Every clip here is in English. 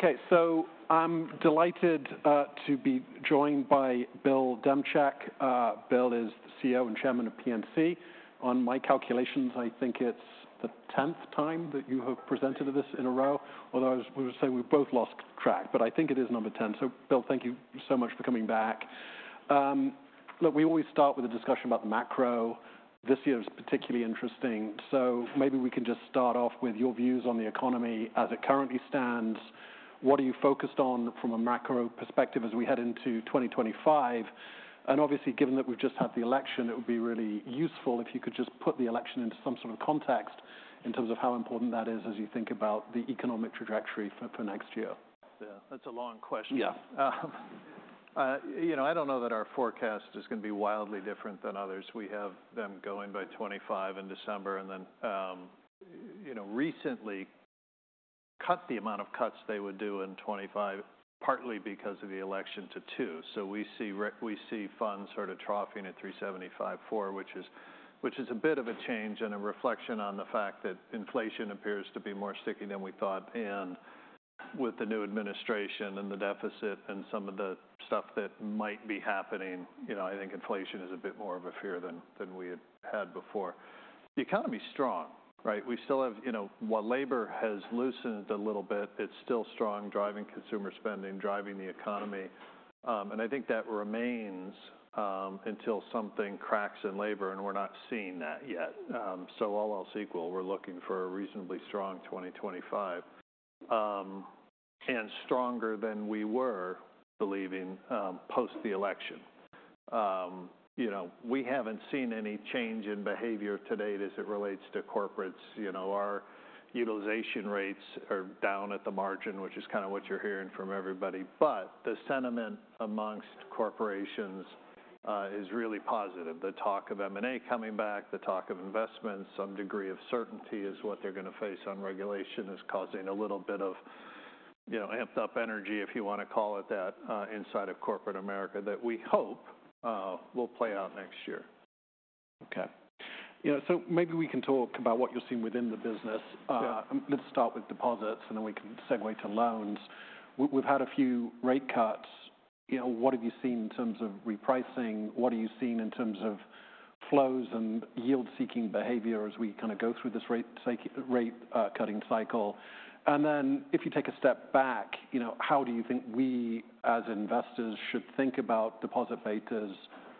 Okay, so I'm delighted to be joined by Bill Demchak. Bill is the CEO and Chairman of PNC. On my calculations, I think it's the 10th time that you have presented to this in a row, although I would say we've both lost track, but I think it is number 10. So, Bill, thank you so much for coming back. Look, we always start with a discussion about the macro. This year is particularly interesting, so maybe we can just start off with your views on the economy as it currently stands. What are you focused on from a macro perspective as we head into 2025? And obviously, given that we've just had the election, it would be really useful if you could just put the election into some sort of context in terms of how important that is as you think about the economic trajectory for next year. That's a long question. Yeah. You know, I don't know that our forecast is going to be wildly different than others. We have them going by 2025 in December, and then recently cut the amount of cuts they would do in 2025, partly because of the election, to two, so we see funds sort of troughing at 3.75, 4, which is a bit of a change and a reflection on the fact that inflation appears to be more sticky than we thought, and with the new administration and the deficit and some of the stuff that might be happening, I think inflation is a bit more of a fear than we had before. The economy is strong, right? We still have, while labor has loosened a little bit, it's still strong, driving consumer spending, driving the economy, and I think that remains until something cracks in labor, and we're not seeing that yet. So all else equal, we're looking for a reasonably strong 2025 and stronger than we were believing post the election. We haven't seen any change in behavior to date as it relates to corporates. Our utilization rates are down at the margin, which is kind of what you're hearing from everybody. But the sentiment amongst corporations is really positive. The talk of M&A coming back, the talk of investment, some degree of certainty is what they're going to face on regulation is causing a little bit of amped-up energy, if you want to call it that, inside of corporate America that we hope will play out next year. Okay, so maybe we can talk about what you're seeing within the business. Let's start with deposits, and then we can segue to loans. We've had a few rate cuts. What have you seen in terms of repricing? What are you seeing in terms of flows and yield-seeking behavior as we kind of go through this rate cutting cycle? And then if you take a step back, how do you think we as investors should think about deposit betas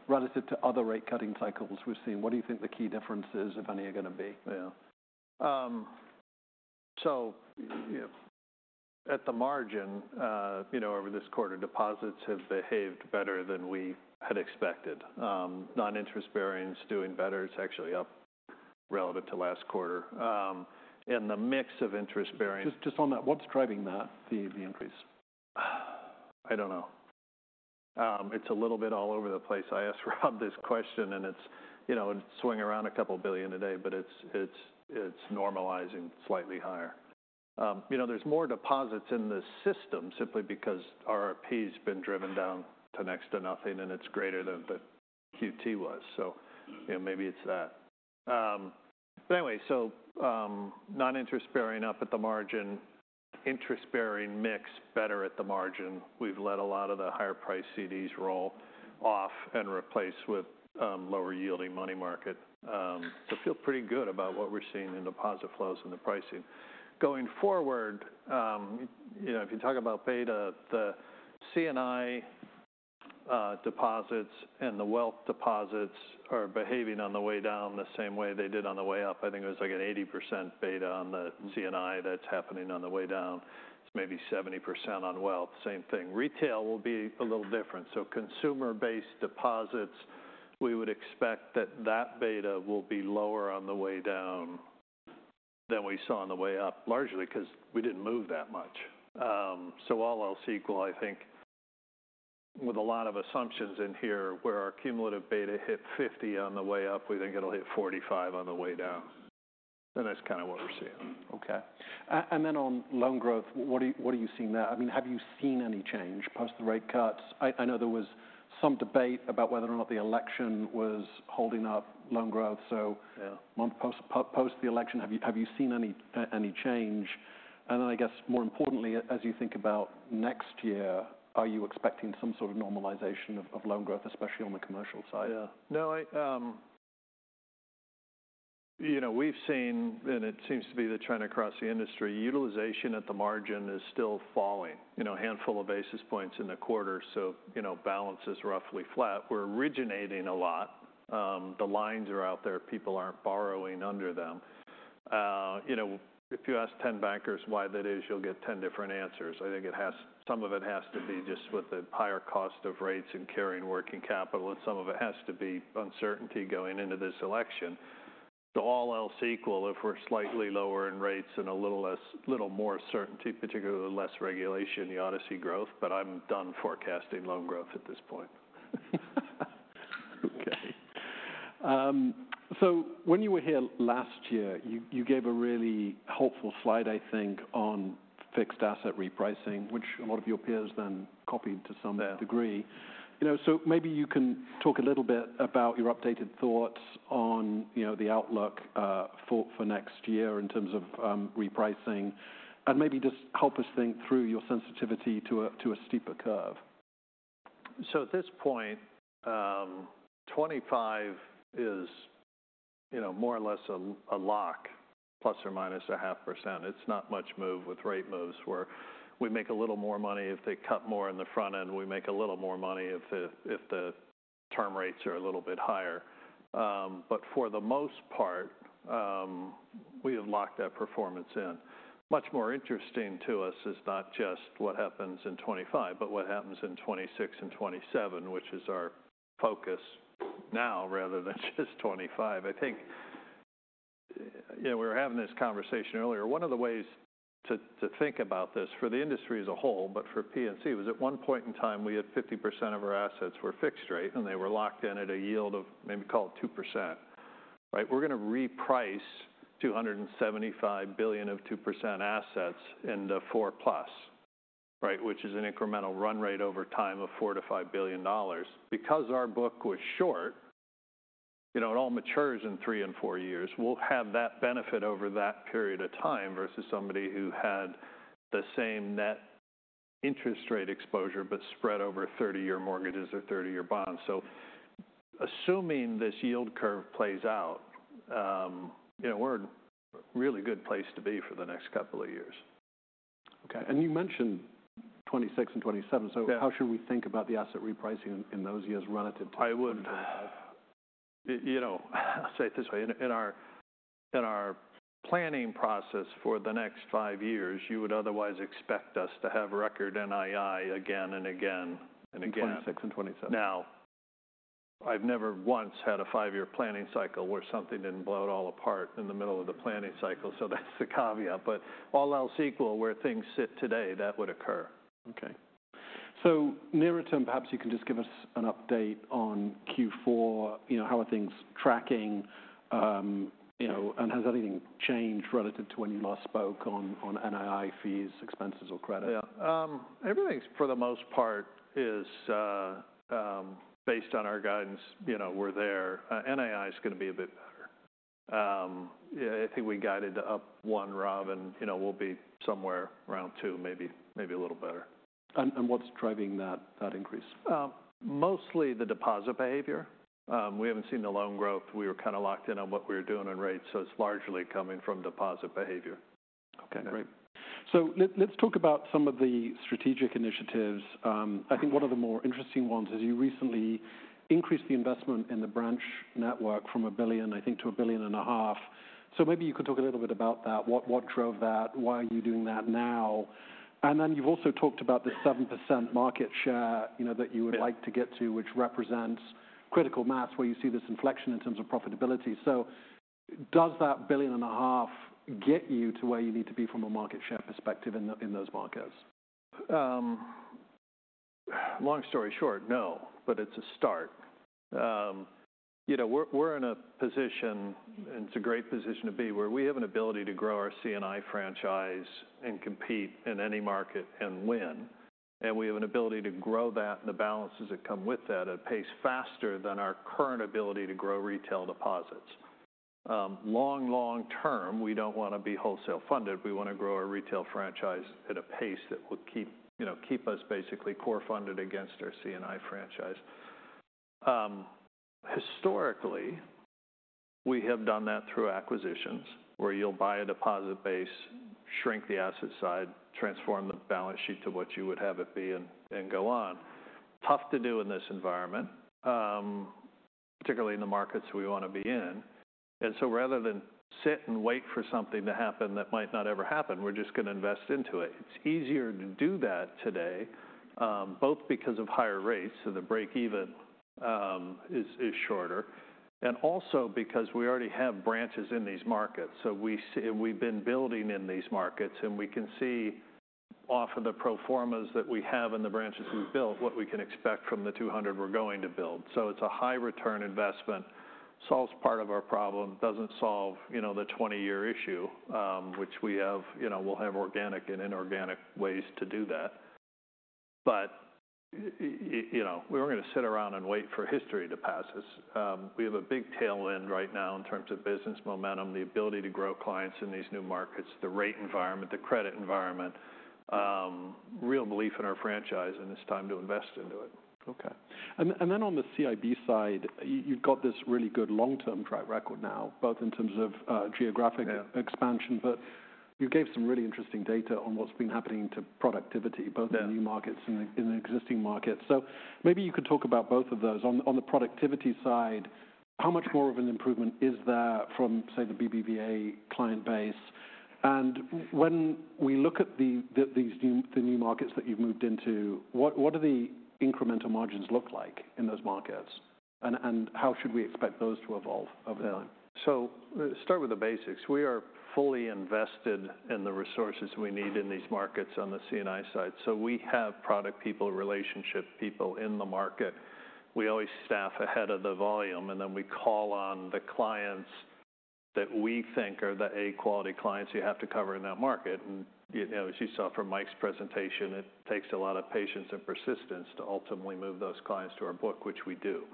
relative to other rate cutting cycles we've seen? What do you think the key differences, if any, are going to be? Yeah. So at the margin, over this quarter, deposits have behaved better than we had expected. Noninterest-bearing doing better. It's actually up relative to last quarter. And the mix of interest-bearing. Just on that, what's driving that, the increase? I don't know. It's a little bit all over the place. I asked Rob this question, and it's swinging around a couple of billion a day, but it's normalizing slightly higher. There's more deposits in the system simply because RRP has been driven down to next to nothing, and it's greater than the QT was. So maybe it's that, but anyway, so non-interest bearing up at the margin, interest bearing mix better at the margin. We've let a lot of the higher-priced CDs roll off and replace with lower-yielding money market. So I feel pretty good about what we're seeing in deposit flows and the pricing. Going forward, if you talk about beta, the C&I deposits and the wealth deposits are behaving on the way down the same way they did on the way up. I think it was like an 80% beta on the C&I that's happening on the way down. It's maybe 70% on wealth, same thing. Retail will be a little different. So, consumer-based deposits, we would expect that that beta will be lower on the way down than we saw on the way up, largely because we didn't move that much. So, all else equal, I think with a lot of assumptions in here, where our cumulative beta hit 50% on the way up, we think it'll hit 45% on the way down, and that's kind of what we're seeing. Okay. And then on loan growth, what are you seeing there? I mean, have you seen any change post the rate cuts? I know there was some debate about whether or not the election was holding up loan growth. So post the election, have you seen any change? And then I guess, more importantly, as you think about next year, are you expecting some sort of normalization of loan growth, especially on the commercial side? Yeah. No, we've seen, and it seems to be the trend across the industry, utilization at the margin is still falling, a handful of basis points in the quarter. So balance is roughly flat. We're originating a lot. The lines are out there. People aren't borrowing under them. If you ask 10 bankers why that is, you'll get 10 different answers. I think some of it has to be just with the higher cost of rates and carrying working capital, and some of it has to be uncertainty going into this election. So all else equal, if we're slightly lower in rates and a little more certainty, particularly with less regulation, you ought to see growth. But I'm done forecasting loan growth at this point. Okay. So when you were here last year, you gave a really hopeful slide, I think, on fixed asset repricing, which a lot of your peers then copied to some degree. So maybe you can talk a little bit about your updated thoughts on the outlook for next year in terms of repricing and maybe just help us think through your sensitivity to a steeper curve. So at this point, 2025 is more or less a lock, ±0.5%. It's not much move with rate moves where we make a little more money if they cut more in the front end. We make a little more money if the term rates are a little bit higher. But for the most part, we have locked that performance in. Much more interesting to us is not just what happens in 2025, but what happens in 2026 and 2027, which is our focus now rather than just 2025. I think we were having this conversation earlier. One of the ways to think about this for the industry as a whole, but for PNC, was at one point in time we had 50% of our assets were fixed rate, and they were locked in at a yield of maybe called 2%. We're going to reprice $275 billion of 2% assets in the 4+, which is an incremental run rate over time of $4-$5 billion. Because our book was short, it all matures in three and four years. We'll have that benefit over that period of time versus somebody who had the same net interest rate exposure, but spread over 30-year mortgages or 30-year bonds. So assuming this yield curve plays out, we're in a really good place to be for the next couple of years. Okay. And you mentioned 2026 and 2027. So how should we think about the asset repricing in those years relative to? I would say it this way. In our planning process for the next five years, you would otherwise expect us to have record NII again and again and again. 2026 and 2027. Now, I've never once had a five-year planning cycle where something didn't blow it all apart in the middle of the planning cycle. So that's the caveat. But all else equal, where things sit today, that would occur. Okay. So nearer to, perhaps you can just give us an update on Q4. How are things tracking? And has anything changed relative to when you last spoke on NII fees, expenses, or credit? Yeah. Everything, for the most part, is based on our guidance. We're there. NII is going to be a bit better. I think we guided up one, Rob, and we'll be somewhere around two, maybe a little better. What's driving that increase? Mostly the deposit behavior. We haven't seen the loan growth. We were kind of locked in on what we were doing on rates. So it's largely coming from deposit behavior. Okay. Great. So let's talk about some of the strategic initiatives. I think one of the more interesting ones is you recently increased the investment in the branch network from $1 billion, I think, to $1.5 billion. So maybe you could talk a little bit about that. What drove that? Why are you doing that now? And then you've also talked about the 7% market share that you would like to get to, which represents critical mass where you see this inflection in terms of profitability. So does that $1.5 billion get you to where you need to be from a market share perspective in those markets? Long story short, no, but it's a start. We're in a position, and it's a great position to be, where we have an ability to grow our C&I franchise and compete in any market and win, and we have an ability to grow that and the balances that come with that at a pace faster than our current ability to grow retail deposits. Long, long term, we don't want to be wholesale funded. We want to grow our retail franchise at a pace that will keep us basically core funded against our C&I franchise. Historically, we have done that through acquisitions where you'll buy a deposit base, shrink the asset side, transform the balance sheet to what you would have it be, and go on. Tough to do in this environment, particularly in the markets we want to be in. And so rather than sit and wait for something to happen that might not ever happen, we're just going to invest into it. It's easier to do that today, both because of higher rates, so the break-even is shorter, and also because we already have branches in these markets. So we've been building in these markets, and we can see off of the pro formas that we have in the branches we've built what we can expect from the 200 we're going to build. So it's a high-return investment, solves part of our problem, doesn't solve the 20-year issue, which we have. We'll have organic and inorganic ways to do that. But we weren't going to sit around and wait for history to pass us. We have a big tailwind right now in terms of business momentum, the ability to grow clients in these new markets, the rate environment, the credit environment, real belief in our franchise, and it's time to invest into it. Okay, and then on the CIB side, you've got this really good long-term track record now, both in terms of geographic expansion, but you gave some really interesting data on what's been happening to productivity, both in new markets and in existing markets, so maybe you could talk about both of those. On the productivity side, how much more of an improvement is there from, say, the BBVA client base, and when we look at the new markets that you've moved into, what do the incremental margins look like in those markets, and how should we expect those to evolve over time? So start with the basics. We are fully invested in the resources we need in these markets on the C&I side. So we have product people, relationship people in the market. We always staff ahead of the volume, and then we call on the clients that we think are the A-quality clients you have to cover in that market. And as you saw from Mike's presentation, it takes a lot of patience and persistence to ultimately move those clients to our book, which we do.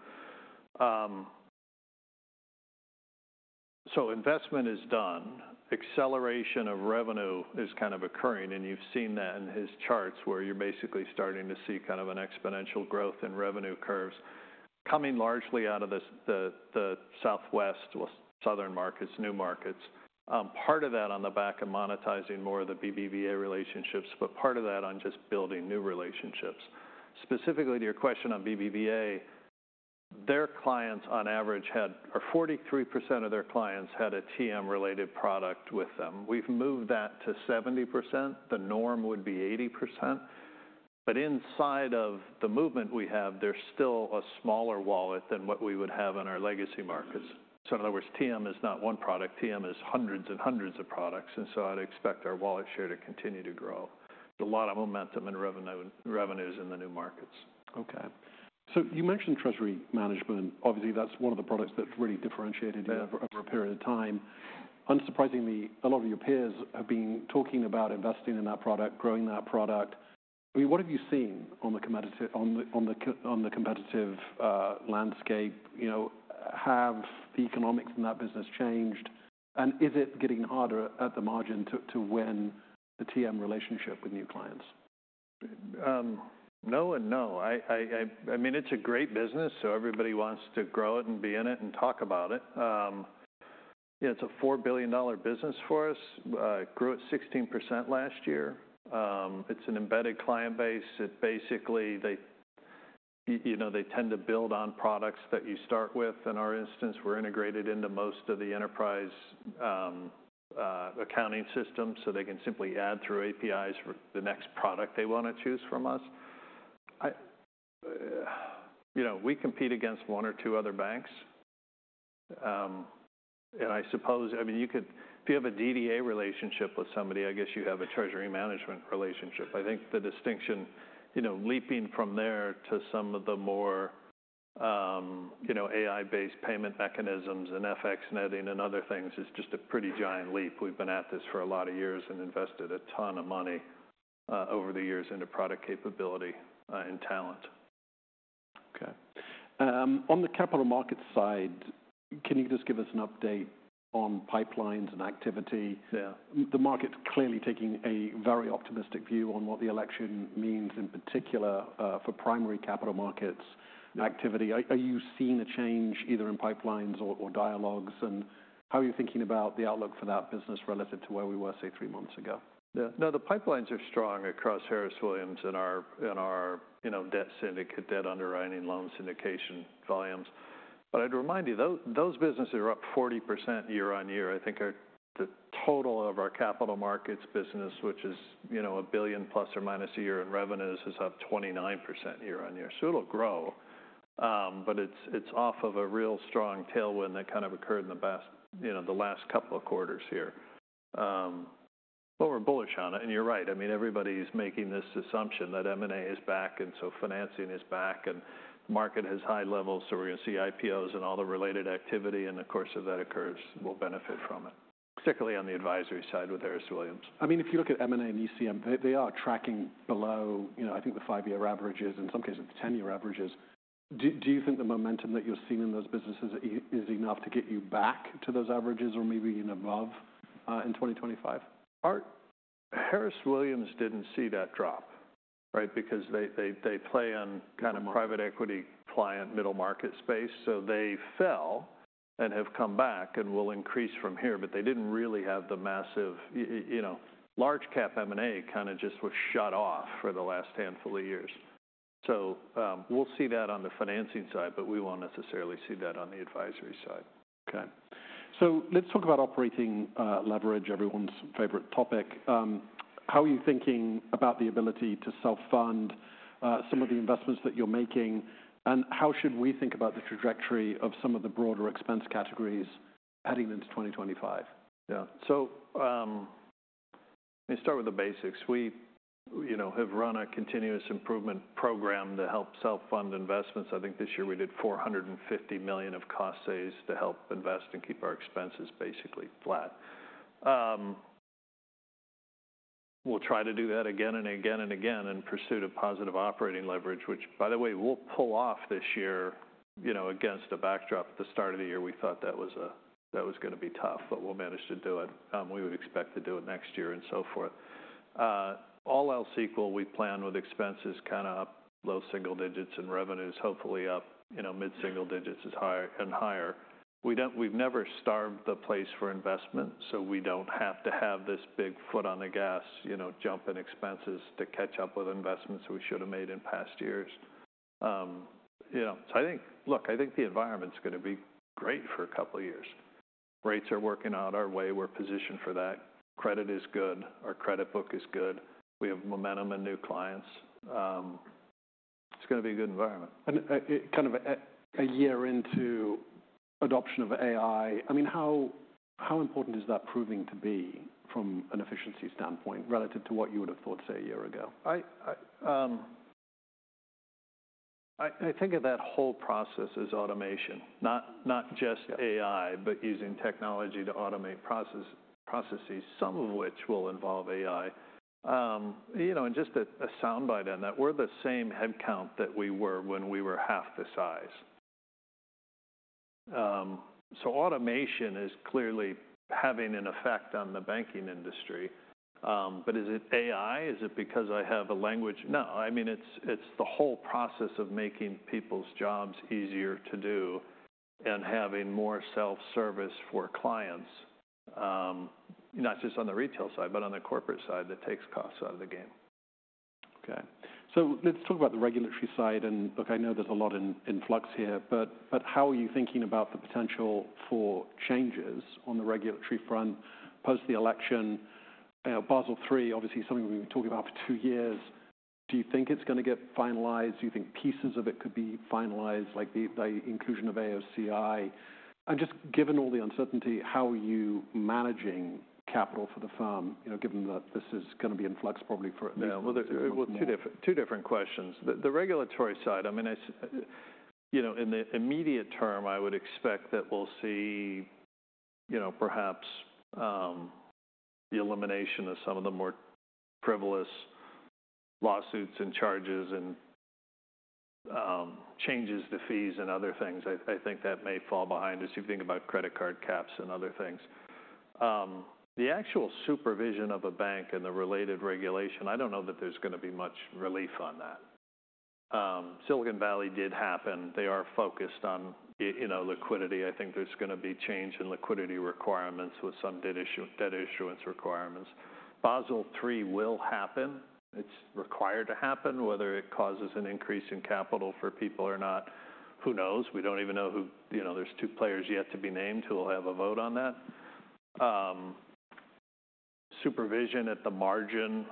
So investment is done. Acceleration of revenue is kind of occurring, and you've seen that in his charts where you're basically starting to see kind of an exponential growth in revenue curves coming largely out of the Southwest, Southern markets, new markets. Part of that on the back of monetizing more of the BBVA relationships, but part of that on just building new relationships. Specifically to your question on BBVA, their clients on average had, or 43% of their clients had a TM-related product with them. We've moved that to 70%. The norm would be 80%. But inside of the movement we have, there's still a smaller wallet than what we would have in our legacy markets. So in other words, TM is not one product. TM is hundreds and hundreds of products. And so I'd expect our wallet share to continue to grow. There's a lot of momentum and revenues in the new markets. Okay. So you mentioned treasury management. Obviously, that's one of the products that's really differentiated you over a period of time. Unsurprisingly, a lot of your peers have been talking about investing in that product, growing that product. I mean, what have you seen on the competitive landscape? Have the economics in that business changed? And is it getting harder at the margin to win the TM relationship with new clients? No and no. I mean, it's a great business, so everybody wants to grow it and be in it and talk about it. It's a $4 billion business for us. It grew at 16% last year. It's an embedded client base. Basically, they tend to build on products that you start with. In our instance, we're integrated into most of the enterprise accounting systems, so they can simply add through APIs the next product they want to choose from us. We compete against one or two other banks. And I suppose, I mean, if you have a DDA relationship with somebody, I guess you have a treasury management relationship. I think the distinction leaping from there to some of the more AI-based payment mechanisms and FX netting and other things is just a pretty giant leap. We've been at this for a lot of years and invested a ton of money over the years into product capability and talent. Okay. On the capital markets side, can you just give us an update on pipelines and activity? The market's clearly taking a very optimistic view on what the election means, in particular for primary capital markets activity. Are you seeing a change either in pipelines or dialogues? And how are you thinking about the outlook for that business relative to where we were, say, three months ago? Yeah. No, the pipelines are strong across Harris Williams and our debt syndicate, debt underwriting, loan syndication volumes. But I'd remind you, those businesses are up 40% year-on-year. I think the total of our capital markets business, which is $1 billion± a year in revenues, is up 29% year-on-year. So it'll grow. But it's off of a real strong tailwind that kind of occurred in the last couple of quarters here. But we're bullish on it. And you're right. I mean, everybody's making this assumption that M&A is back and so financing is back and the market has high levels. So we're going to see IPOs and all the related activity. And of course, if that occurs, we'll benefit from it, particularly on the advisory side with Harris Williams. I mean, if you look at M&A and ECM, they are tracking below, I think, the five-year averages and in some cases, the 10-year averages. Do you think the momentum that you're seeing in those businesses is enough to get you back to those averages or maybe even above in 2025? Harris Williams didn't see that drop because they play on kind of private equity client middle market space. So they fell and have come back and will increase from here. But they didn't really have the massive large-cap M&A kind of just was shut off for the last handful of years. So we'll see that on the financing side, but we won't necessarily see that on the advisory side. Okay. So let's talk about operating leverage, everyone's favorite topic. How are you thinking about the ability to self-fund some of the investments that you're making? And how should we think about the trajectory of some of the broader expense categories heading into 2025? Yeah. So let me start with the basics. We have run a continuous improvement program to help self-fund investments. I think this year we did $450 million of cost savings to help invest and keep our expenses basically flat. We'll try to do that again and again and again in pursuit of positive operating leverage, which, by the way, we'll pull off this year against a backdrop at the start of the year. We thought that was going to be tough, but we'll manage to do it. We would expect to do it next year and so forth. All else equal, we plan with expenses kind of up, low single digits in revenues, hopefully up, mid-single digits and higher. We've never starved the place for investment, so we don't have to have this big foot on the gas jump in expenses to catch up with investments we should have made in past years. So I think, look, I think the environment's going to be great for a couple of years. Rates are working out our way. We're positioned for that. Credit is good. Our credit book is good. We have momentum and new clients. It's going to be a good environment. Kind of a year into adoption of AI, I mean, how important is that proving to be from an efficiency standpoint relative to what you would have thought, say, a year ago? I think of that whole process as automation, not just AI, but using technology to automate processes, some of which will involve AI, and just a sound bite on that, we're the same headcount that we were when we were half the size, so automation is clearly having an effect on the banking industry, but is it AI? Is it because I have a language? No. I mean, it's the whole process of making people's jobs easier to do and having more self-service for clients, not just on the retail side, but on the corporate side that takes costs out of the game. Okay, so let's talk about the regulatory side. And look, I know there's a lot in flux here, but how are you thinking about the potential for changes on the regulatory front post the election? Basel III, obviously, something we've been talking about for two years. Do you think it's going to get finalized? Do you think pieces of it could be finalized, like the inclusion of AOCI? And just given all the uncertainty, how are you managing capital for the firm, given that this is going to be in flux probably for at least two years? Two different questions. The regulatory side, I mean, in the immediate term, I would expect that we'll see perhaps the elimination of some of the more frivolous lawsuits and charges and changes to fees and other things. I think that may fall behind us if you think about credit card caps and other things. The actual supervision of a bank and the related regulation, I don't know that there's going to be much relief on that. Silicon Valley did happen. They are focused on liquidity. I think there's going to be change in liquidity requirements with some debt issuance requirements. Basel III will happen. It's required to happen. Whether it causes an increase in capital for people or not, who knows? We don't even know who. There's two players yet to be named who will have a vote on that. Supervision at the margin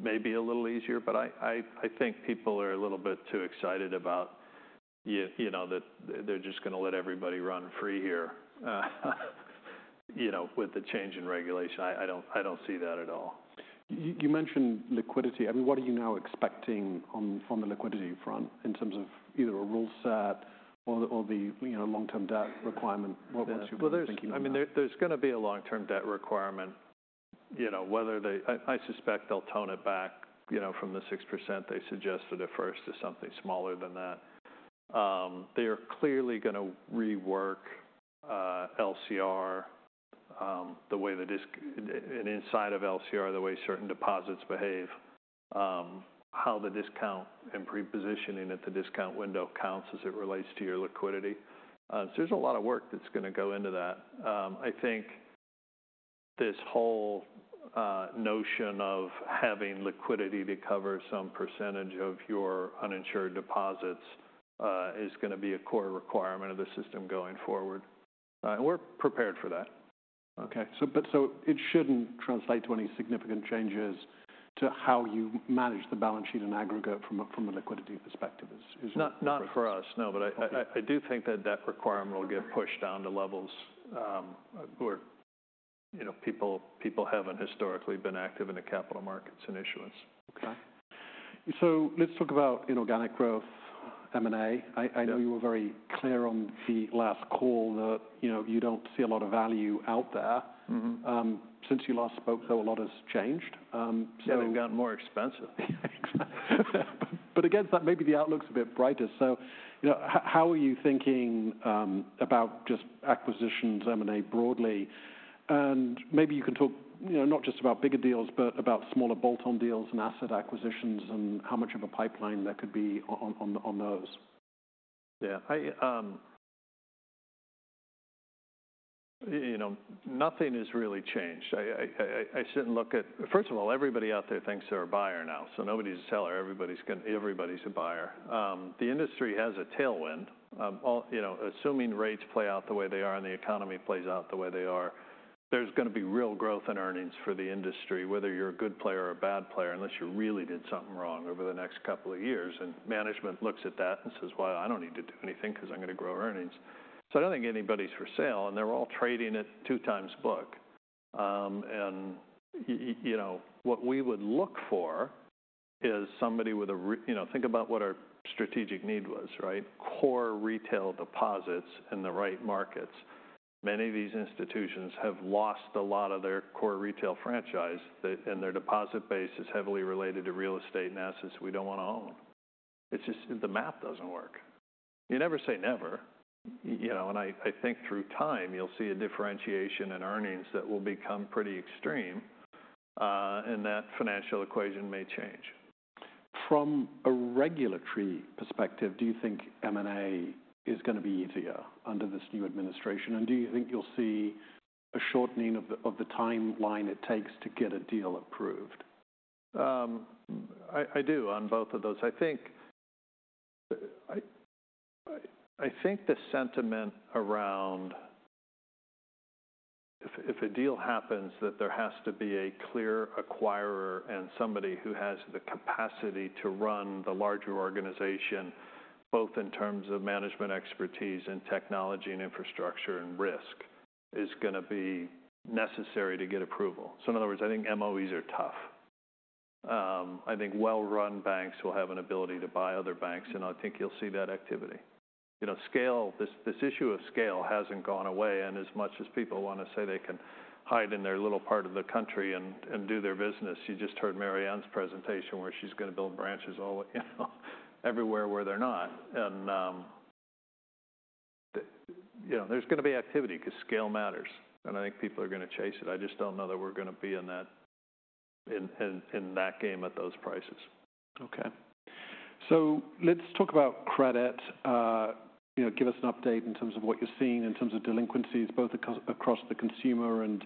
may be a little easier, but I think people are a little bit too excited about that they're just going to let everybody run free here with the change in regulation. I don't see that at all. You mentioned liquidity. I mean, what are you now expecting on the liquidity front in terms of either a rule set or the long-term debt requirement? What's your basic thinking there? There's going to be a long-term debt requirement. I suspect they'll tone it back from the 6% they suggested at first to something smaller than that. They are clearly going to rework LCR, the way that inside of LCR, the way certain deposits behave, how the discount and pre-positioning at the discount window counts as it relates to your liquidity. So there's a lot of work that's going to go into that. I think this whole notion of having liquidity to cover some percentage of your uninsured deposits is going to be a core requirement of the system going forward, and we're prepared for that. Okay, but so it shouldn't translate to any significant changes to how you manage the balance sheet in aggregate from a liquidity perspective, is that correct? Not for us, no. But I do think that that requirement will get pushed down to levels where people haven't historically been active in the capital markets and issuance. Okay, so let's talk about inorganic growth, M&A. I know you were very clear on the last call that you don't see a lot of value out there. Since you last spoke, though, a lot has changed. Yeah, we've gotten more expensive. But against that, maybe the outlook's a bit brighter. So how are you thinking about just acquisitions, M&A broadly? And maybe you can talk not just about bigger deals, but about smaller bolt-on deals and asset acquisitions and how much of a pipeline there could be on those. Yeah. Nothing has really changed. I shouldn't look at, first of all, everybody out there thinks they're a buyer now. So nobody's a seller. Everybody's a buyer. The industry has a tailwind. Assuming rates play out the way they are and the economy plays out the way they are, there's going to be real growth in earnings for the industry, whether you're a good player or a bad player, unless you really did something wrong over the next couple of years. And management looks at that and says, "Well, I don't need to do anything because I'm going to grow earnings." So I don't think anybody's for sale. And they're all trading at 2x book. And what we would look for is somebody with a, think about what our strategic need was, right? Core retail deposits in the right markets. Many of these institutions have lost a lot of their core retail franchise, and their deposit base is heavily related to real estate and assets we don't want to own. It's just the math doesn't work. You never say never, and I think through time, you'll see a differentiation in earnings that will become pretty extreme, and that financial equation may change. From a regulatory perspective, do you think M&A is going to be easier under this new administration? And do you think you'll see a shortening of the timeline it takes to get a deal approved? I do on both of those. I think the sentiment around if a deal happens that there has to be a clear acquirer and somebody who has the capacity to run the larger organization, both in terms of management expertise and technology and infrastructure and risk, is going to be necessary to get approval. So in other words, I think MOEs are tough. I think well-run banks will have an ability to buy other banks, and I think you'll see that activity. This issue of scale hasn't gone away. And as much as people want to say they can hide in their little part of the country and do their business, you just heard Marianne's presentation where she's going to build branches everywhere where they're not. And there's going to be activity because scale matters. And I think people are going to chase it. I just don't know that we're going to be in that game at those prices. Okay, so let's talk about credit. Give us an update in terms of what you're seeing in terms of delinquencies, both across the consumer and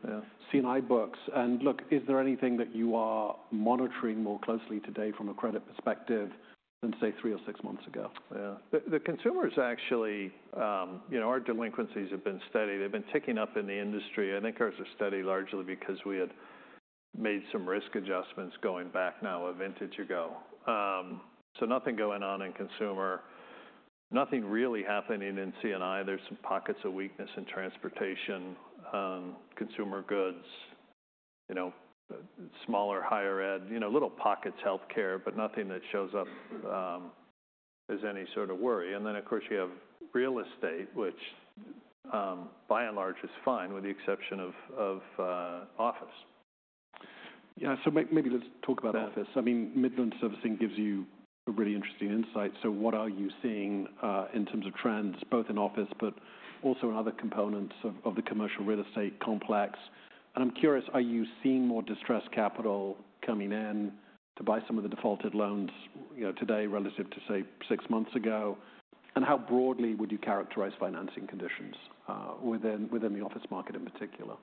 C&I books, and look, is there anything that you are monitoring more closely today from a credit perspective than, say, three or six months ago? Yeah. The consumers actually, our delinquencies have been steady. They've been ticking up in the industry. I think ours are steady largely because we had made some risk adjustments going back now a vintage ago. So nothing going on in consumer, nothing really happening in C&I. There's some pockets of weakness in transportation, consumer goods, smaller, higher ed, little pockets, healthcare, but nothing that shows up as any sort of worry. And then, of course, you have real estate, which by and large is fine with the exception of office. Yeah. So maybe let's talk about office. I mean, Midland Servicing gives you a really interesting insight. So what are you seeing in terms of trends, both in office, but also in other components of the commercial real estate complex? And I'm curious, are you seeing more distressed capital coming in to buy some of the defaulted loans today relative to, say, six months ago? And how broadly would you characterize financing conditions within the office market in particular?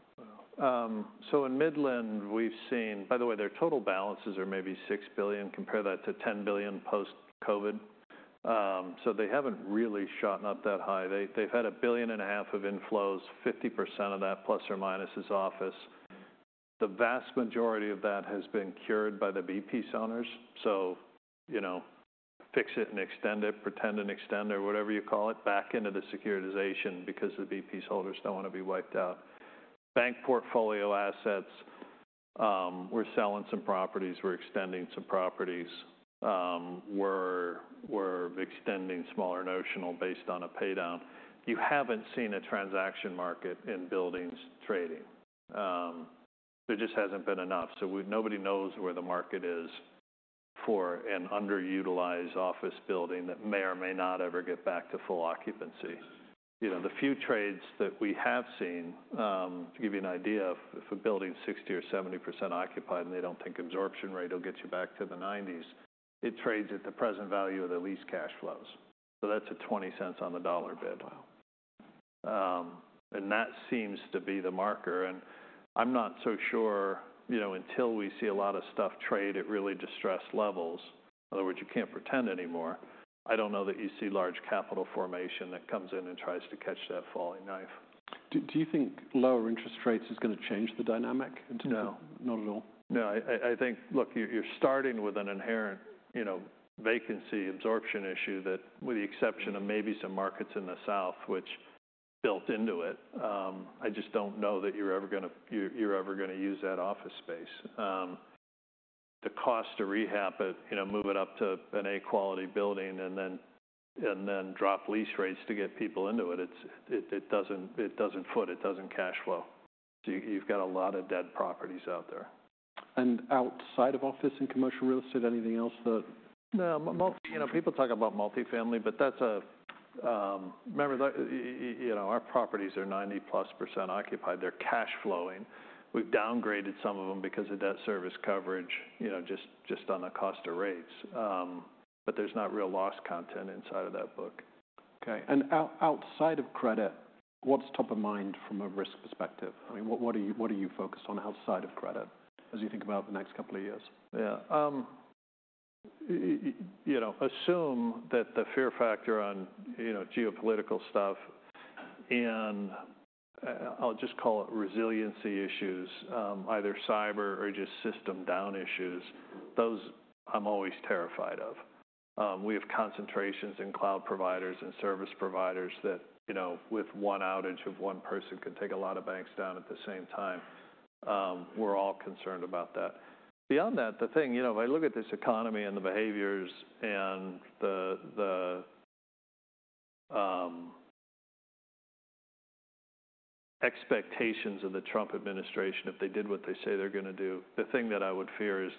In Midland, we've seen, by the way, their total balances are maybe $6 billion. Compare that to $10 billion post-COVID. They haven't really shot up that high. They've had $1.5 billion of inflows, 50% of that ± is office. The vast majority of that has been cured by the BPS owners. So fix it and extend it, pretend and extend it, whatever you call it, back into the securitization because the BPS holders don't want to be wiped out. Bank portfolio assets, we're selling some properties, we're extending some properties, we're extending smaller notional based on a paydown. You haven't seen a transaction market in buildings trading. There just hasn't been enough. So nobody knows where the market is for an underutilized office building that may or may not ever get back to full occupancy. The few trades that we have seen, to give you an idea, if a building is 60% or 70% occupied and they don't think absorption rate will get you back to the 90s, it trades at the present value of the lease cash flows, so that's a 20 cents on the dollar bid, and that seems to be the marker. And I'm not so sure until we see a lot of stuff trade, it really distressed levels. In other words, you can't pretend anymore. I don't know that you see large capital formation that comes in and tries to catch that falling knife. Do you think lower interest rates is going to change the dynamic? No. Not at all? No. I think, look, you're starting with an inherent vacancy absorption issue that, with the exception of maybe some markets in the south, which built into it, I just don't know that you're ever going to use that office space. The cost to rehab it, move it up to an A-quality building, and then drop lease rates to get people into it, it doesn't foot, it doesn't cash flow, so you've got a lot of dead properties out there. Outside of office and commercial real estate, anything else that? No. People talk about multifamily, but remember, our properties are 90%+ occupied. They're cash flowing. We've downgraded some of them because of debt service coverage, just on the cost of rates. But there's no real loss content inside of that book. Okay. And outside of credit, what's top of mind from a risk perspective? I mean, what are you focused on outside of credit as you think about the next couple of years? Yeah. Assume that the fear factor on geopolitical stuff and I'll just call it resiliency issues, either cyber or just system down issues, those I'm always terrified of. We have concentrations in cloud providers and service providers that with one outage of one person can take a lot of banks down at the same time. We're all concerned about that. Beyond that, the thing, if I look at this economy and the behaviors and the expectations of the Trump administration, if they did what they say they're going to do, the thing that I would fear is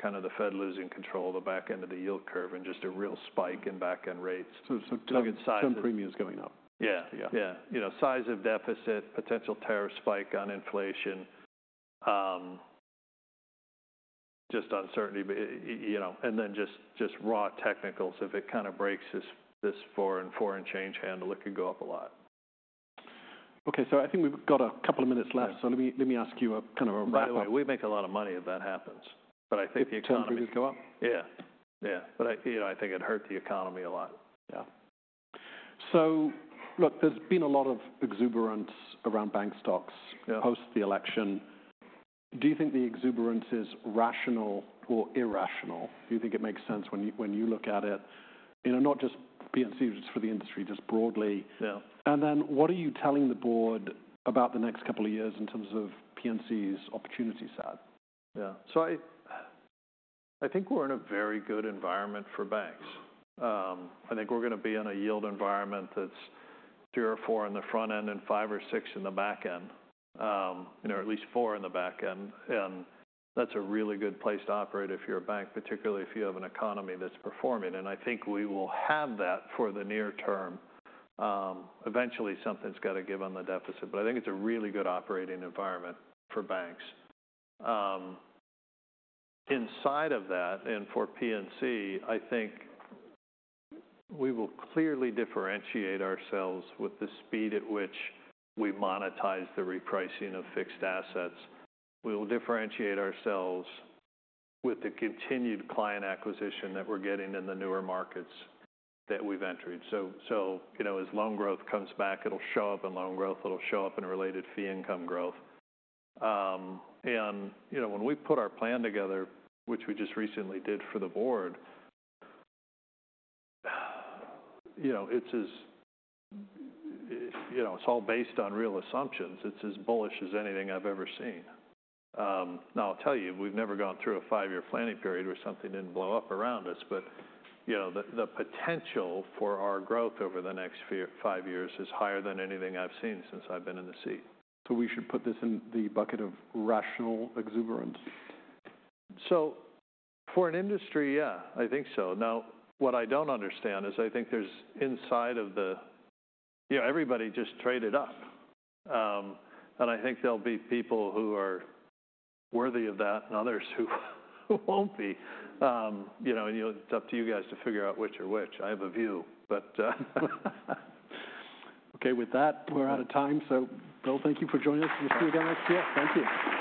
kind of the Fed losing control of the back end of the yield curve and just a real spike in back end rates. So some premiums going up. Yeah. Yeah. Size of deficit, potential tariff spike on inflation, just uncertainty. And then just raw technicals, if it kind of breaks this foreign exchange handle, it could go up a lot. Okay. So I think we've got a couple of minutes left. So let me ask you kind of a rapid-. By the way, we make a lot of money if that happens. But I think the economy is. If the economy goes up? Yeah. Yeah. But I think it'd hurt the economy a lot. Yeah. So look, there's been a lot of exuberance around bank stocks post the election. Do you think the exuberance is rational or irrational? Do you think it makes sense when you look at it, not just PNC, just for the industry, just broadly? Yeah. What are you telling the board about the next couple of years in terms of PNC's opportunity side? Yeah, so I think we're in a very good environment for banks. I think we're going to be in a yield environment that's three or four on the front end and five or six in the back end, at least four in the back end, and that's a really good place to operate if you're a bank, particularly if you have an economy that's performing, and I think we will have that for the near term. Eventually, something's got to give on the deficit, but I think it's a really good operating environment for banks. Inside of that, and for PNC, I think we will clearly differentiate ourselves with the speed at which we monetize the repricing of fixed assets. We will differentiate ourselves with the continued client acquisition that we're getting in the newer markets that we've entered. As loan growth comes back, it'll show up in loan growth. It'll show up in related fee income growth. When we put our plan together, which we just recently did for the board, it's all based on real assumptions. It's as bullish as anything I've ever seen. Now, I'll tell you, we've never gone through a five-year planning period where something didn't blow up around us. The potential for our growth over the next five years is higher than anything I've seen since I've been in the seat. So we should put this in the bucket of rational exuberance? So for an industry, yeah, I think so. Now, what I don't understand is I think there's inside of the everybody just traded up. And I think there'll be people who are worthy of that and others who won't be. And it's up to you guys to figure out which or which. I have a view. But. Okay. With that, we're out of time. So Bill, thank you for joining us. We'll see you again next year. Thank you.